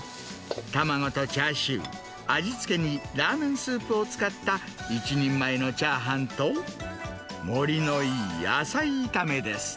卵とチャーシュー、味付けにラーメンスープを使った１人前のチャーハンと、盛りのいい野菜炒めです。